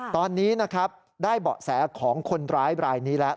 ตอนนี้นะครับได้เบาะแสของคนร้ายรายนี้แล้ว